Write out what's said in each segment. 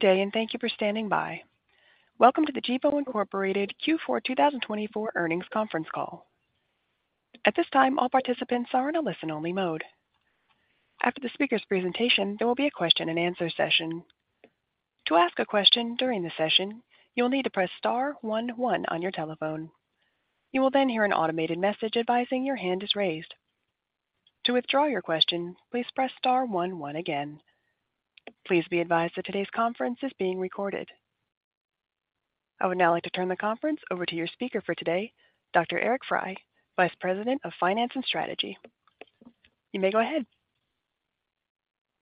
Good day, and thank you for standing by. Welcome to the Gevo Incorporated Q4 2024 Earnings Conference Call. At this time, all participants are in a listen-only mode. After the speaker's presentation, there will be a question-and-answer session. To ask a question during the session, you'll need to press star one, one on your telephone. You will then hear an automated message advising your hand is raised. To withdraw your question, please press star one, one again. Please be advised that today's conference is being recorded. I would now like to turn the conference over to your speaker for today, Dr. Eric Frey, Vice President of Finance and Strategy. You may go ahead.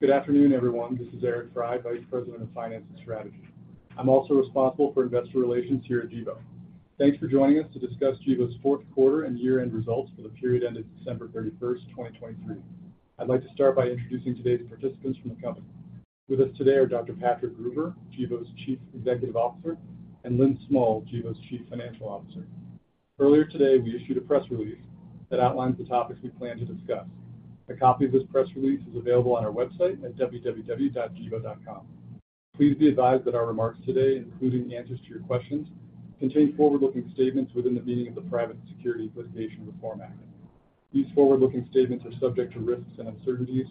Good afternoon, everyone. This is Eric Frey, Vice President of Finance and Strategy. I'm also responsible for investor relations here at Gevo. Thanks for joining us to discuss Gevo's fourth quarter and year-end results for the period ended December 31, 2023. I'd like to start by introducing today's participants from the company. With us today are Dr. Patrick Gruber, Gevo's Chief Executive Officer, and Lynn Smull, Gevo's Chief Financial Officer. Earlier today, we issued a press release that outlines the topics we plan to discuss. A copy of this press release is available on our website at www.gevo.com. Please be advised that our remarks today, including answers to your questions, contain forward-looking statements within the meaning of the Private Securities Litigation Reform Act. These forward-looking statements are subject to risks and uncertainties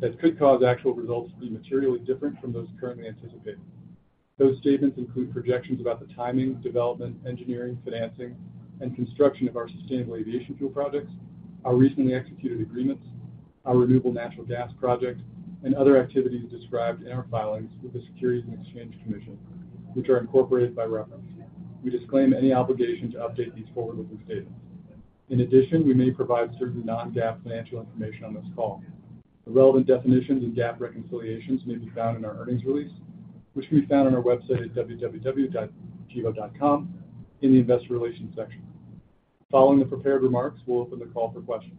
that could cause actual results to be materially different from those currently anticipated. Those statements include projections about the timing, development, engineering, financing, and construction of our sustainable aviation fuel projects, our recently executed agreements, our renewable natural gas project, and other activities described in our filings with the Securities and Exchange Commission, which are incorporated by reference. We disclaim any obligation to update these forward-looking statements. In addition, we may provide certain non-GAAP financial information on this call. The relevant definitions and GAAP reconciliations may be found in our earnings release, which can be found on our website at www.gevo.com in the Investor Relations section. Following the prepared remarks, we'll open the call for questions.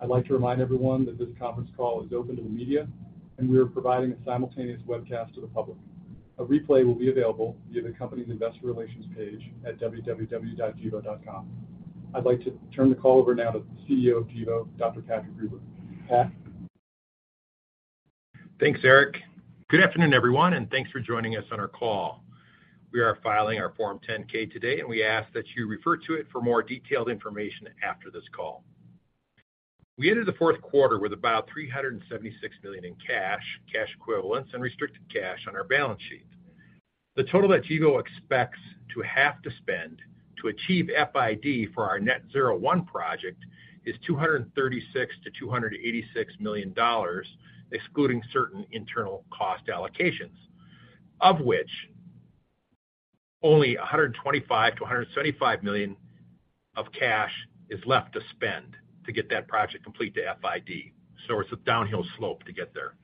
I'd like to remind everyone that this conference call is open to the media, and we are providing a simultaneous webcast to the public. A replay will be available via the company's investor relations page at www.gevo.com. I'd like to turn the call over now to the CEO of Gevo, Dr. Patrick Gruber. Pat? Thanks, Eric. Good afternoon, everyone, and thanks for joining us on our call. We are filing our Form 10-K today, and we ask that you refer to it for more detailed information after this call. We entered the fourth quarter with about $376 million in cash, cash equivalents, and restricted cash on our balance sheet. The total that Gevo expects to have to spend to achieve FID for our Net-Zero 1 project is $236 million-$286 million, excluding certain internal cost allocations, of which only $125 million-$175 million of cash is left to spend to get that project complete to FID. So it's a downhill slope to get there.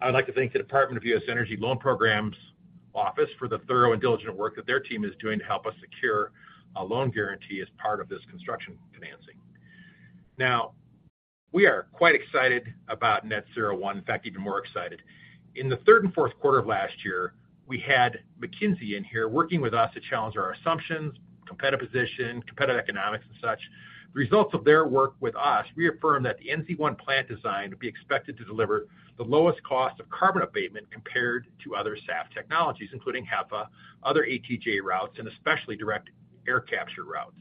I'd like to thank the U.S. Department of Energy Loan Programs Office for the thorough and diligent work that their team is doing to help us secure a loan guarantee as part of this construction financing. Now, we are quite excited about Net-Zero 1. In fact, even more excited. In the third and fourth quarter of last year, we had McKinsey in here working with us to challenge our assumptions, competitive position, competitive economics, and such. The results of their work with us reaffirmed that the NZ1 plant design would be expected to deliver the lowest cost of carbon abatement compared to other SAF technologies, including HEFA, other ATJ routes, and especially direct air capture routes.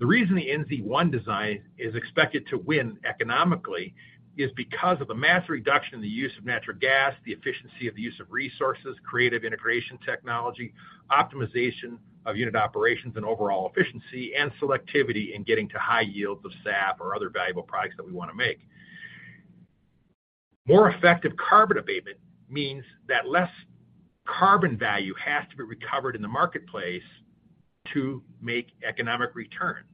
The reason the NZ1 design is expected to win economically is because of the mass reduction in the use of natural gas, the efficiency of the use of resources, creative integration technology, optimization of unit operations and overall efficiency, and selectivity in getting to high yields of SAF or other valuable products that we want to make. More effective carbon abatement means that less carbon value has to be recovered in the marketplace to make economic returns.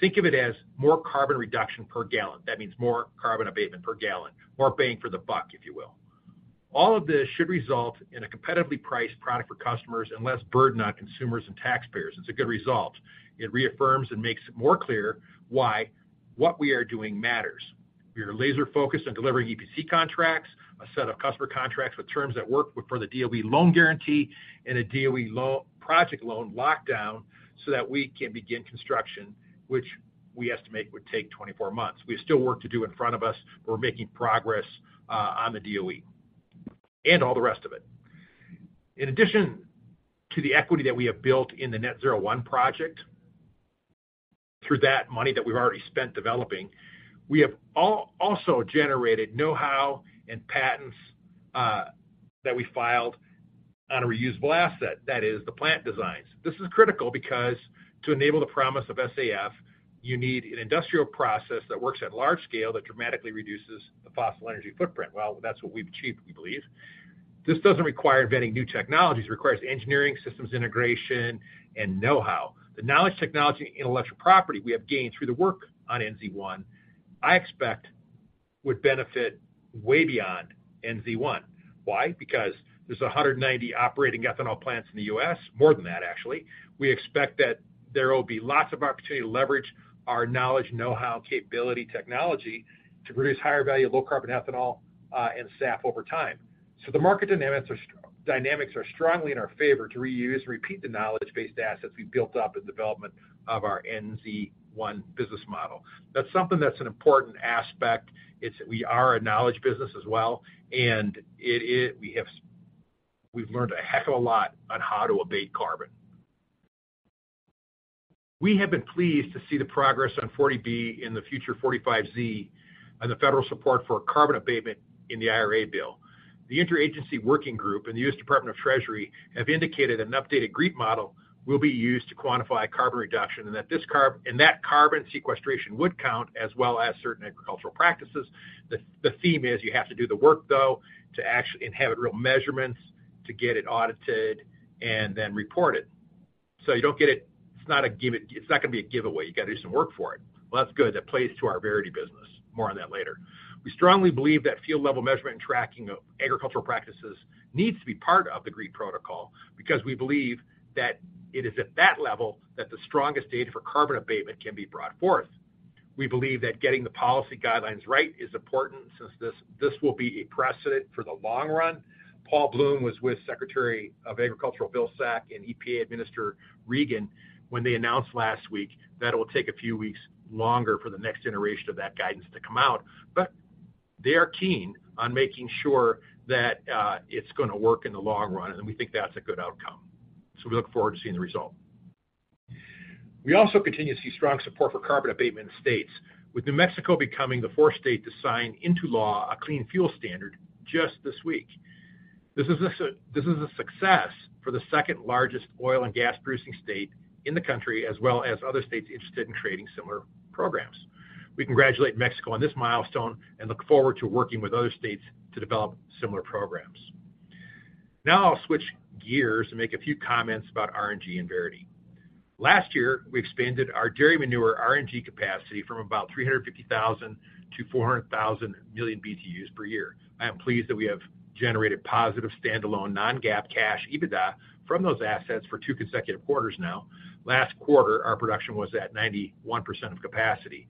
Think of it as more carbon reduction per gallon. That means more carbon abatement per gallon, more bang for the buck, if you will. All of this should result in a competitively priced product for customers and less burden on consumers and taxpayers. It's a good result. It reaffirms and makes it more clear why what we are doing matters. We are laser-focused on delivering EPC contracts, a set of customer contracts with terms that work for the DOE loan guarantee, and a DOE project loan lockdown so that we can begin construction, which we estimate would take 24 months. We have still work to do in front of us. We're making progress on the DOE and all the rest of it. In addition to the equity that we have built in the Net-Zero 1 project, through that money that we've already spent developing, we have also generated know-how and patents that we filed on a reusable asset, that is the plant designs. This is critical because to enable the promise of SAF, you need an industrial process that works at large scale that dramatically reduces the fossil energy footprint. Well, that's what we've achieved, we believe. This doesn't require inventing new technologies. It requires engineering, systems integration, and know-how. The knowledge, technology, intellectual property we have gained through the work on NZ1, I expect would benefit way beyond NZ1. Why? Because there's 190 operating ethanol plants in the U.S., more than that, actually. We expect that there will be lots of opportunity to leverage our knowledge, know-how, capability, technology to produce higher value, low-carbon ethanol, and SAF over time. So the market dynamics are strong. Dynamics are strongly in our favor to reuse and repeat the knowledge-based assets we've built up in development of our NZ1 business model. That's something that's an important aspect. We are a knowledge business as well, and we've learned a heck of a lot on how to abate carbon. We have been pleased to see the progress on 40B in the future 45Z and the federal support for carbon abatement in the IRA bill. The Interagency Working Group and the U.S. Department of the Treasury have indicated an updated GREET model will be used to quantify carbon reduction, and that carbon sequestration would count, as well as certain agricultural practices. The theme is you have to do the work, though, to actually have real measurements, to get it audited and then report it. So you don't get it. It's not a giveaway. You got to do some work for it. Well, that's good. That plays to our Verity business. More on that later. We strongly believe that field-level measurement and tracking of agricultural practices needs to be part of the GREET protocol because we believe that it is at that level that the strongest data for carbon abatement can be brought forth. We believe that getting the policy guidelines right is important since this, this will be a precedent for the long run. Paul Bloom was with Secretary of Agriculture Vilsack and EPA Administrator Regan when they announced last week that it will take a few weeks longer for the next generation of that guidance to come out, but they are keen on making sure that it's going to work in the long run, and we think that's a good outcome. So we look forward to seeing the result. We also continue to see strong support for carbon abatement in states, with New Mexico becoming the fourth state to sign into law a clean fuel standard just this week. This is a success for the second-largest oil and gas producing state in the country, as well as other states interested in creating similar programs. We congratulate New Mexico on this milestone and look forward to working with other states to develop similar programs. Now I'll switch gears and make a few comments about RNG and Verity. Last year, we expanded our dairy manure RNG capacity from about 350,000 to 400,000 million BTUs per year. I am pleased that we have generated positive standalone non-GAAP cash EBITDA from those assets for two consecutive quarters now. Last quarter, our production was at 91% of capacity.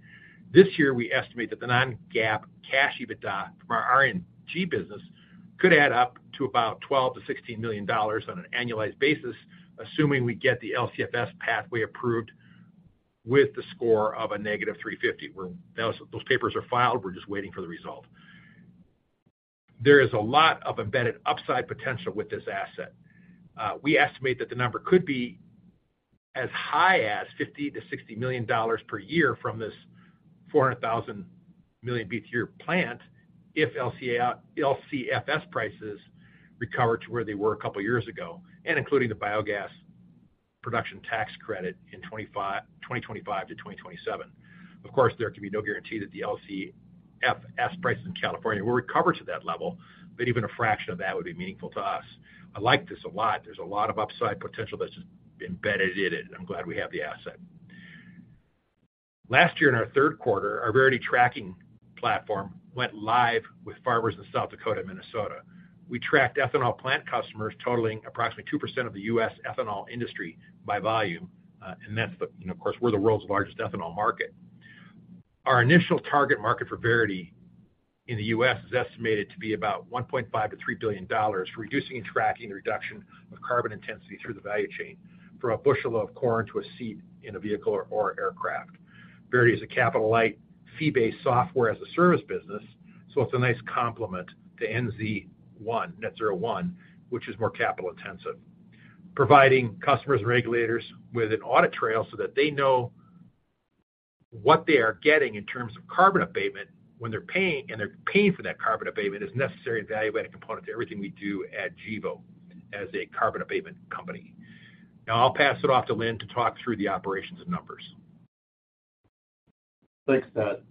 This year, we estimate that the non-GAAP cash EBITDA from our RNG business could add up to about $12 million-$16 million on an annualized basis, assuming we get the LCFS pathway approved with the score of -350. Those papers are filed, we're just waiting for the result. There is a lot of embedded upside potential with this asset. We estimate that the number could be as high as $50 million-$60 million per year from this 400,000 million BTU plant if LCFS prices recover to where they were a couple of years ago, and including the biogas production tax credit in 2025-2027. Of course, there can be no guarantee that the LCFS prices in California will recover to that level, but even a fraction of that would be meaningful to us. I like this a lot. There's a lot of upside potential that's just embedded in it. I'm glad we have the asset. Last year, in our third quarter, our Verity tracking platform went live with farmers in South Dakota and Minnesota. We tracked ethanol plant customers totaling approximately 2% of the U.S. ethanol industry by volume, and of course, we're the world's largest ethanol market. Our initial target market for Verity in the U.S. is estimated to be about $1.5 billion-$3 billion, reducing and tracking the reduction of carbon intensity through the value chain for a bushel of corn to a seed in a vehicle or aircraft. Verity is a capital-light, fee-based software as a service business, so it's a nice complement to NZ1, Net-Zero 1, which is more capital-intensive. Providing customers and regulators with an audit trail so that they know what they are getting in terms of carbon abatement when they're paying, and they're paying for that carbon abatement, is a necessary and valuable component to everything we do at Gevo as a carbon abatement company. Now, I'll pass it off to Lynn to talk through the operations and numbers. Thanks, Pat.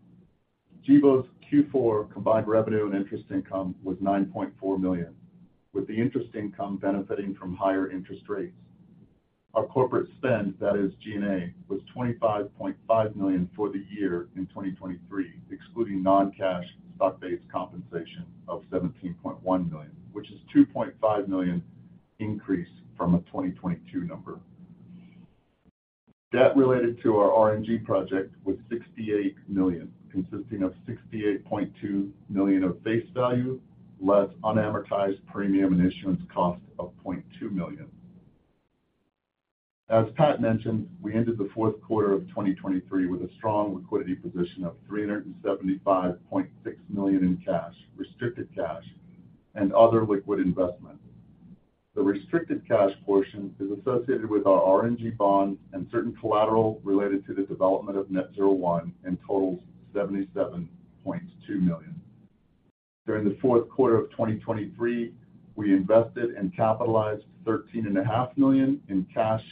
Gevo's Q4 combined revenue and interest income was $9.4 million, with the interest income benefiting from higher interest rates. Our corporate spend, that is G&A, was $25.5 million for the year in 2023, excluding non-cash stock-based compensation of $17.1 million, which is $2.5 million increase from a 2022 number. Debt related to our RNG project was $68 million, consisting of $68.2 million of face value, less unamortized premium and issuance cost of $0.2 million. As Pat mentioned, we ended the fourth quarter of 2023 with a strong liquidity position of $375.6 million in cash, restricted cash, and other liquid investment. The restricted cash portion is associated with our RNG bonds and certain collateral related to the development of Net-Zero 1, and totals $77.2 million. During the fourth quarter of 2023, we invested and capitalized $13.5 million in cash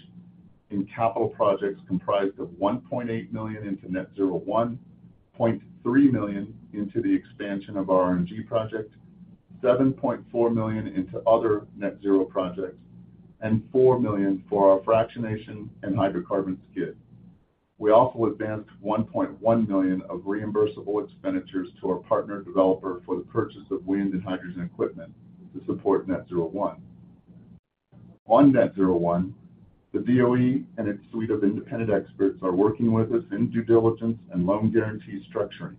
in capital projects comprised of $1.8 million into Net-Zero 1, $0.3 million into the expansion of our RNG project, $7.4 million into other Net-Zero projects, and $4 million for our fractionation and hydrocarbon skid. We also advanced $1.1 million of reimbursable expenditures to our partner developer for the purchase of wind and hydrogen equipment to support Net-Zero 1. On Net-Zero 1, the DOE and its suite of independent experts are working with us in due diligence and loan guarantee structuring.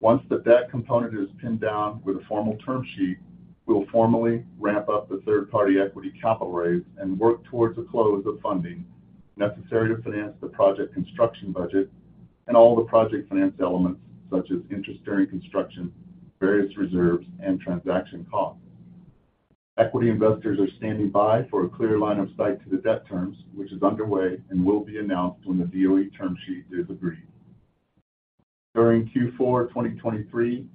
Once the debt component is pinned down with a formal term sheet, we'll formally ramp up the third-party equity capital raise and work towards the close of funding necessary to finance the project construction budget and all the project finance elements, such as interest during construction, various reserves, and transaction costs. Equity investors are standing by for a clear line of sight to the debt terms, which is underway and will be announced when the DOE term sheet is agreed. During Q4 2023,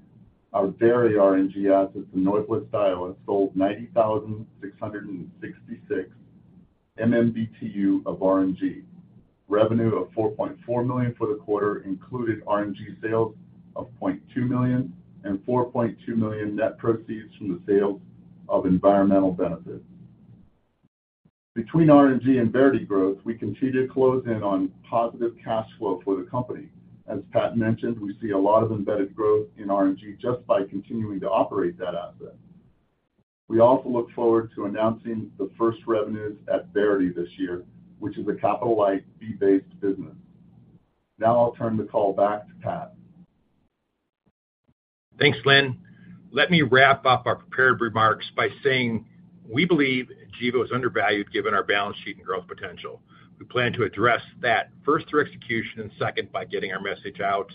our dairy RNG assets in Northwest Iowa sold 90,666 MMBtu of RNG. Revenue of $4.4 million for the quarter included RNG sales of $0.2 million and $4.2 million net proceeds from the sales of environmental benefits. Between RNG and Verity growth, we continue to close in on positive cash flow for the company. As Pat mentioned, we see a lot of embedded growth in RNG just by continuing to operate that asset. We also look forward to announcing the first revenues at Verity this year, which is a capital-light, fee-based business. Now I'll turn the call back to Pat. Thanks, Lynn. Let me wrap up our prepared remarks by saying we believe Gevo is undervalued, given our balance sheet and growth potential. We plan to address that first through execution and second, by getting our message out.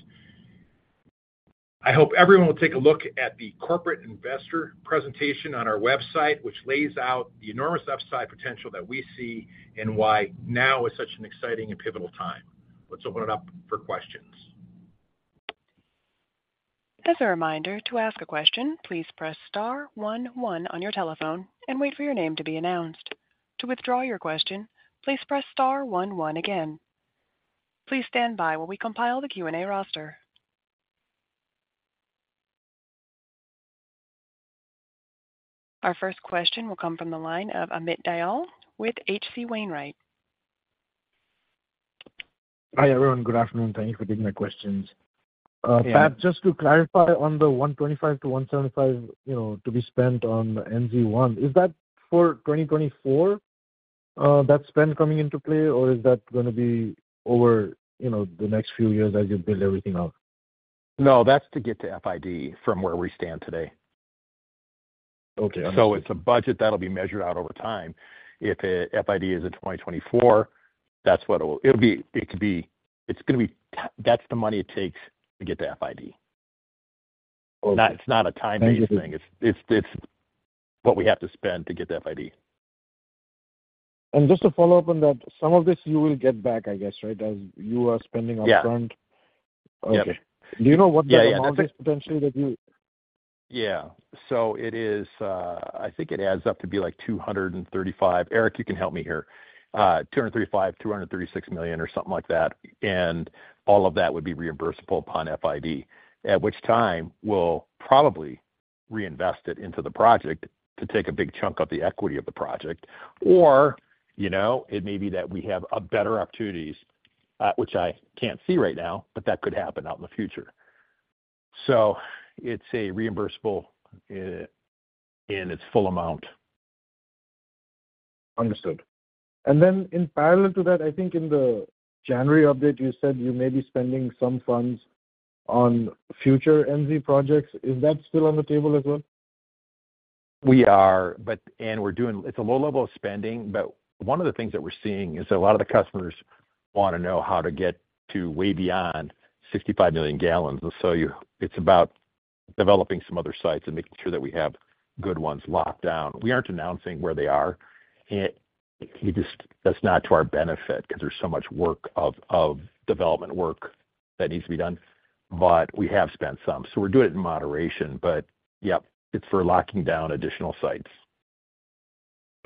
I hope everyone will take a look at the corporate investor presentation on our website, which lays out the enormous upside potential that we see and why now is such an exciting and pivotal time. Let's open it up for questions. As a reminder, to ask a question, please press star one one on your telephone and wait for your name to be announced. To withdraw your question, please press star one one again. Please stand by while we compile the Q&A roster. Our first question will come from the line of Amit Dayal with H.C. Wainwright. Hi, everyone. Good afternoon. Thank you for taking my questions. Yeah. Pat, just to clarify on the $125-$175, you know, to be spent on NZ1, is that for 2024, that spend coming into play, or is that going to be over, you know, the next few years as you build everything out? No, that's to get to FID from where we stand today. Okay. So it's a budget that'll be measured out over time. If FID is in 2024, that's what it will—It'll be, it could be... It's going to be—That's the money it takes to get to FID. Okay. It's not a timing thing. Thank you. It's what we have to spend to get to FID. Just to follow up on that, some of this you will get back, I guess, right, as you are spending up front? Yeah. Okay. Yep. Do you know what the- Yeah, yeah. Amount is potentially that you? Yeah. So it is, I think it adds up to be like $235 million-$236 million or something like that, and all of that would be reimbursable upon FID, at which time we'll probably reinvest it into the project to take a big chunk of the equity of the project. Or, you know, it may be that we have better opportunities, which I can't see right now, but that could happen out in the future. So it's a reimbursable in its full amount. Understood. And then in parallel to that, I think in the January update, you said you may be spending some funds on future NZ projects. Is that still on the table as well? We are, but and we're doing. It's a low level of spending, but one of the things that we're seeing is that a lot of the customers want to know how to get to way beyond 65 Mgal. And so it's about developing some other sites and making sure that we have good ones locked down. We aren't announcing where they are. It's just that that's not to our benefit because there's so much work of development work that needs to be done. But we have spent some, so we're doing it in moderation. But yep, it's for locking down additional sites.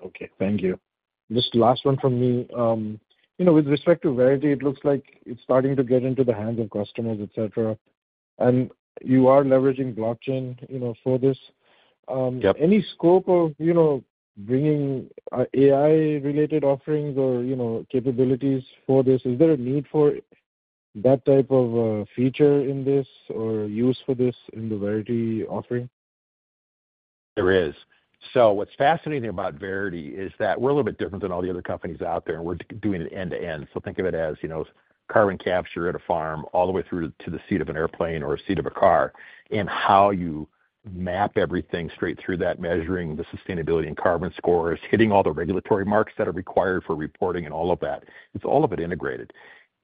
Okay, thank you. Just last one from me. You know, with respect to Verity, it looks like it's starting to get into the hands of customers, et cetera, and you are leveraging blockchain, you know, for this. Yep. Any scope of, you know, bringing AI-related offerings or, you know, capabilities for this? Is there a need for that type of feature in this or use for this in the Verity offering? There is. So what's fascinating about Verity is that we're a little bit different than all the other companies out there, and we're doing it end-to-end. So think of it as, you know, carbon capture at a farm, all the way through to the seat of an airplane or a seat of a car, and how you map everything straight through that, measuring the sustainability and carbon scores, hitting all the regulatory marks that are required for reporting and all of that. It's all of it integrated.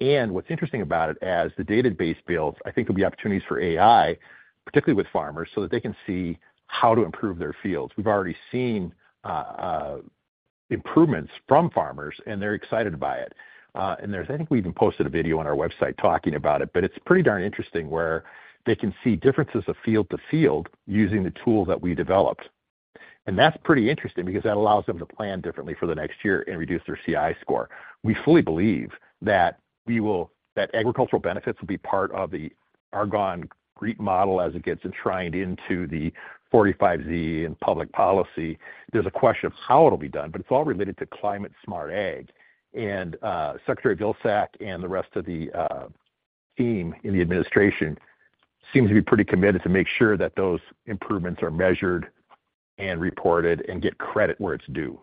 And what's interesting about it, as the database builds, I think there'll be opportunities for AI, particularly with farmers, so that they can see how to improve their fields. We've already seen improvements from farmers, and they're excited by it. And there's—I think we even posted a video on our website talking about it, but it's pretty darn interesting where they can see differences of field to field using the tool that we developed. And that's pretty interesting because that allows them to plan differently for the next year and reduce their CI score. We fully believe that agricultural benefits will be part of the Argonne GREET model as it gets enshrined into the 45Z in public policy. There's a question of how it'll be done, but it's all related to climate smart ag. And, Secretary Vilsack and the rest of the team in the administration seems to be pretty committed to make sure that those improvements are measured and reported and get credit where it's due.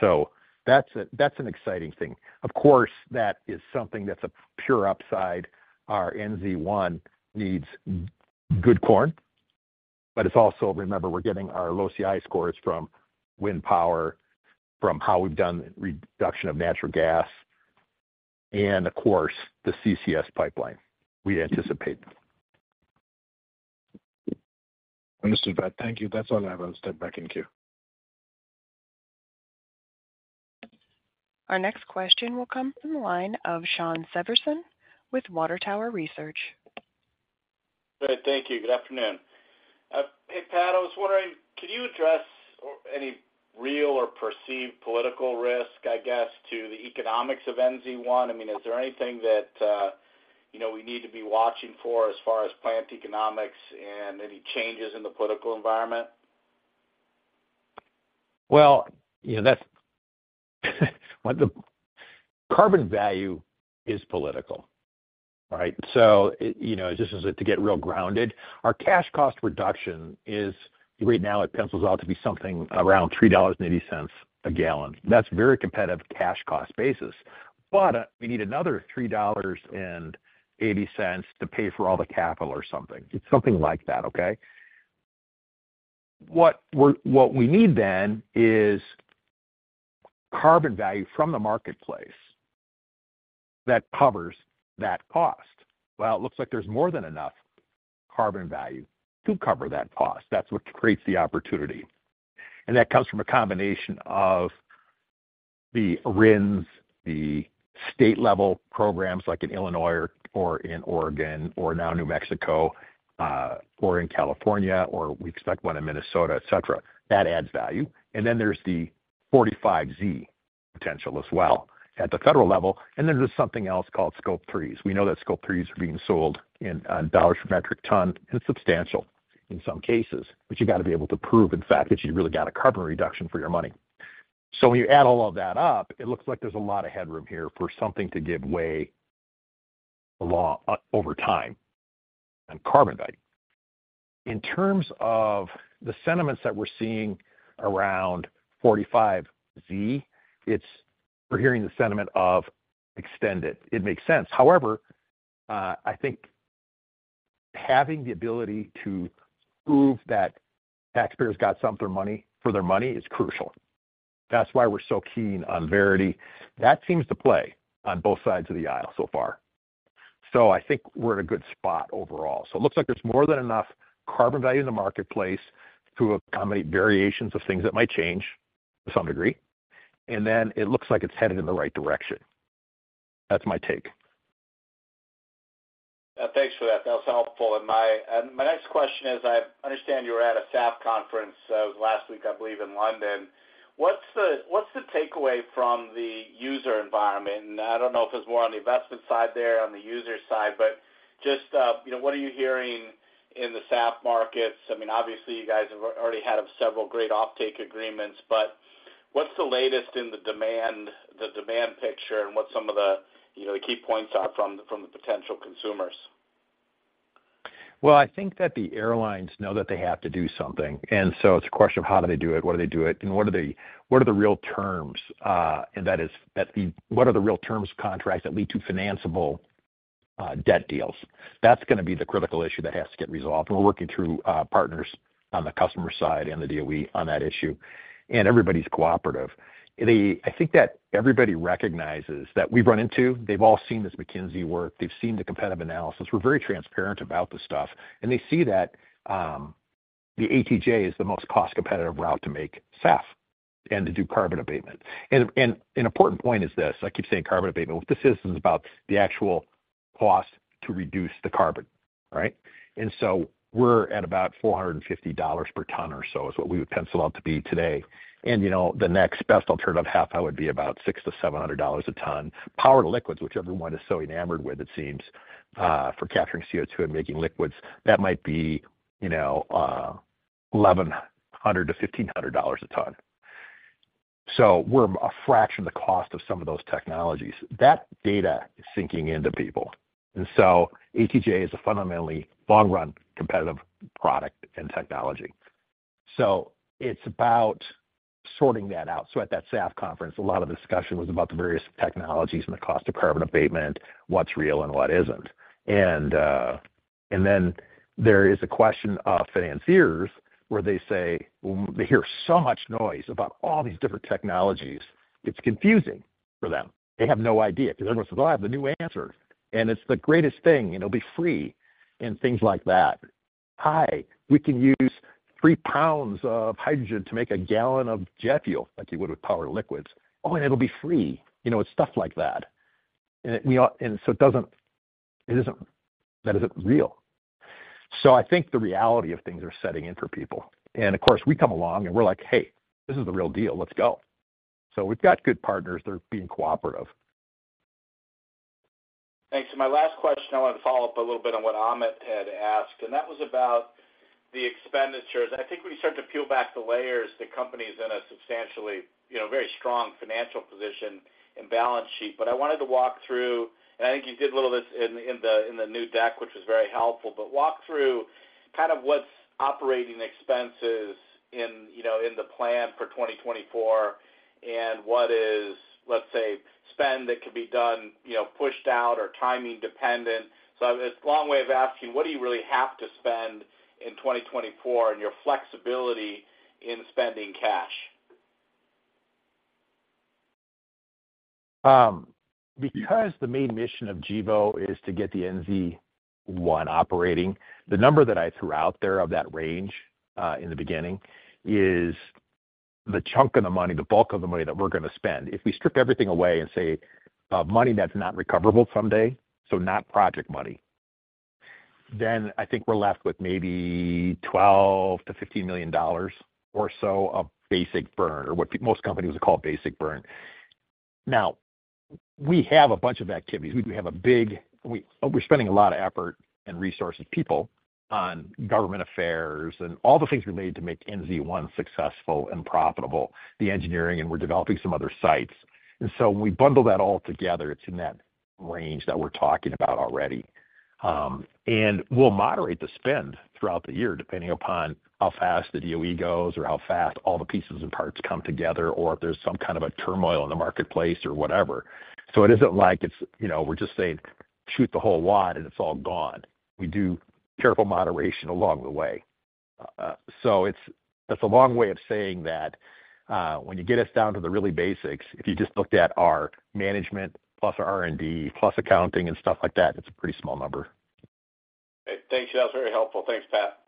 So that's an exciting thing. Of course, that is something that's a pure upside. Our NZ1 needs good corn, but it's also, remember, we're getting our low CI scores from wind power, from how we've done reduction of natural gas and of course, the CCS pipeline we anticipate. Understood, Pat. Thank you. That's all I have. I'll step back in queue. Our next question will come from the line of Shawn Severson with Water Tower Research. Great. Thank you. Good afternoon. Hey, Pat, I was wondering, can you address or any real or perceived political risk, I guess, to the economics of NZ1? I mean, is there anything that, you know, we need to be watching for as far as plant economics and any changes in the political environment? Well, you know, that's what the carbon value is political, right? So, you know, just as to get real grounded, our cash cost reduction is, right now it pencils out to be something around $3.80 a gallon. That's very competitive cash cost basis. But we need another $3.80 to pay for all the capital or something. It's something like that, okay? What we need then is carbon value from the marketplace that covers that cost. Well, it looks like there's more than enough carbon value to cover that cost. That's what creates the opportunity. And that comes from a combination of the RINs, the state-level programs like in Illinois or, or in Oregon, or now New Mexico, or in California, or we expect one in Minnesota, et cetera. That adds value. Then there's the 45Z potential as well at the federal level. Then there's something else called Scope 3s. We know that Scope 3s are being sold in dollar per metric ton, and substantial in some cases, but you got to be able to prove, in fact, that you really got a carbon reduction for your money. So when you add all of that up, it looks like there's a lot of headroom here for something to give way along over time on carbon value. In terms of the sentiments that we're seeing around 45Z, it's. We're hearing the sentiment of extend it. It makes sense. However, I think having the ability to prove that taxpayers got something for their money is crucial. That's why we're so keen on Verity. That seems to play on both sides of the aisle so far. I think we're in a good spot overall. It looks like there's more than enough carbon value in the marketplace to accommodate variations of things that might change to some degree, and then it looks like it's headed in the right direction. That's my take. Thanks for that. That was helpful. My next question is, I understand you were at a SAF conference last week, I believe, in London. What's the takeaway from the user environment? And I don't know if it's more on the investment side there, on the user side, but just, you know, what are you hearing in the SAF markets? I mean, obviously, you guys have already had several great offtake agreements, but what's the latest in the demand picture and what some of the, you know, the key points are from the potential consumers? Well, I think that the airlines know that they have to do something, and so it's a question of how do they do it, whether they do it, and what are the, what are the real terms, and that is what are the real terms contracts that lead to financeable debt deals? That's gonna be the critical issue that has to get resolved. And we're working through partners on the customer side and the DOE on that issue, and everybody's cooperative. I think that everybody recognizes that we've run into. They've all seen this McKinsey work. They've seen the competitive analysis. We're very transparent about this stuff, and they see that, the ATJ is the most cost-competitive route to make SAF and to do carbon abatement. And an important point is this: I keep saying carbon abatement. What this is, is about the actual cost to reduce the carbon, right? And so we're at about $450 per ton or so, is what we would pencil out to be today. And, you know, the next best alternative HEFA, how it would be about $600-$700 a ton. Power-to-liquids, which everyone is so enamored with, it seems, for capturing CO2 and making liquids, that might be, you know, $1,100-$1,500 a ton. So we're a fraction of the cost of some of those technologies. That data is sinking into people. And so ATJ is a fundamentally long-run competitive product and technology. So it's about sorting that out. So at that SAF conference, a lot of discussion was about the various technologies and the cost of carbon abatement, what's real and what isn't. And, and then there is a question of financiers, where they say, Well, they hear so much noise about all these different technologies. It's confusing for them. They have no idea because everyone says, "Well, I have the new answer, and it's the greatest thing, and it'll be free," and things like that. "Hi, we can use 3 lbs of hydrogen to make a gallon of jet fuel," like you would with power liquids. "Oh, and it'll be free." You know, it's stuff like that. And, you know, and so it doesn't. It isn't, that isn't real. So I think the reality of things are setting in for people. And of course, we come along and we're like: Hey, this is the real deal. Let's go. So we've got good partners. They're being cooperative. Thanks. My last question, I want to follow up a little bit on what Amit had asked, and that was about the expenditures. I think when you start to peel back the layers, the company is in a substantially, you know, very strong financial position and balance sheet. But I wanted to walk through, and I think you did a little of this in the new deck, which was very helpful. But walk through kind of what's operating expenses in, you know, in the plan for 2024, and what is, let's say, spend that could be done, you know, pushed out or timing dependent. So it's a long way of asking, what do you really have to spend in 2024 and your flexibility in spending cash? Because the main mission of Gevo is to get the NZ1 operating, the number that I threw out there of that range in the beginning is the chunk of the money, the bulk of the money that we're going to spend. If we strip everything away and say money that's not recoverable someday, so not project money, then I think we're left with maybe $12 million-$15 million or so of basic burn, or what most companies would call basic burn. Now, we have a bunch of activities. We have a big-- we're spending a lot of effort and resources, people, on government affairs and all the things we made to make NZ1 successful and profitable, the engineering, and we're developing some other sites. And so when we bundle that all together, it's in that range that we're talking about already. And we'll moderate the spend throughout the year, depending upon how fast the DOE goes or how fast all the pieces and parts come together, or if there's some kind of a turmoil in the marketplace or whatever. So it isn't like it's, you know, we're just saying, shoot the whole lot and it's all gone. We do careful moderation along the way. So it's, that's a long way of saying that, when you get us down to the really basics, if you just looked at our management, plus R&D, plus accounting and stuff like that, it's a pretty small number. Thanks. That was very helpful. Thanks, Pat.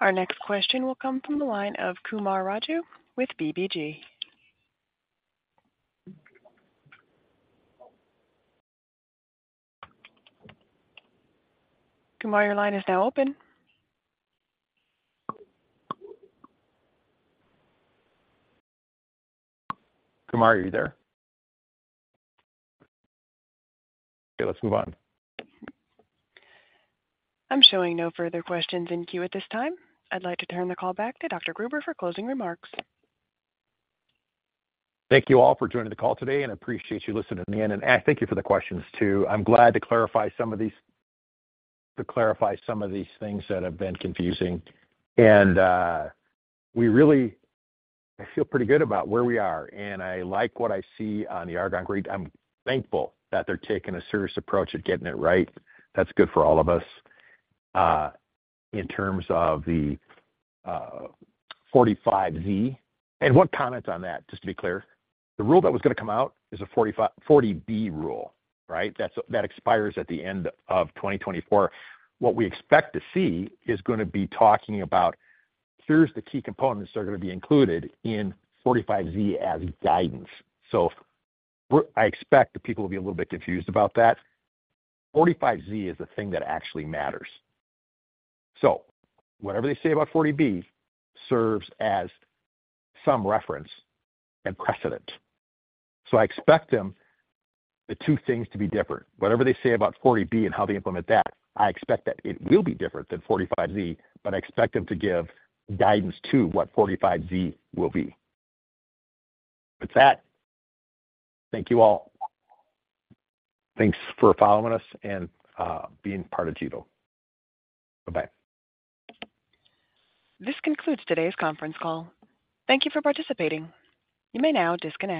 Our next question will come from the line of Kumar Raju with BBG. Kumar, your line is now open. Kumar, are you there? Okay, let's move on. I'm showing no further questions in queue at this time. I'd like to turn the call back to Dr. Gruber for closing remarks. Thank you all for joining the call today, and I appreciate you listening in. Thank you for the questions, too. I'm glad to clarify some of these, to clarify some of these things that have been confusing. I feel pretty good about where we are, and I like what I see on the Argonne GREET. I'm thankful that they're taking a serious approach at getting it right. That's good for all of us. In terms of the 45Z, and one comment on that, just to be clear, the rule that was going to come out is a 40B rule, right? That's, that expires at the end of 2024. What we expect to see is going to be talking about, here's the key components that are going to be included in 45Z as guidance. So I expect that people will be a little bit confused about that. 45Z is the thing that actually matters. So whatever they say about 40B serves as some reference and precedent. So I expect them, the two things, to be different. Whatever they say about 40B and how they implement that, I expect that it will be different than 45Z, but I expect them to give guidance to what 45Z will be. With that, thank you all. Thanks for following us and, being part of Gevo. Bye-bye. This concludes today's conference call. Thank you for participating. You may now disconnect.